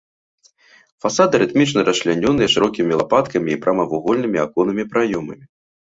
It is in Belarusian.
Фасады рытмічна расчлянёныя шырокімі лапаткамі і прамавугольнымі аконнымі праёмамі.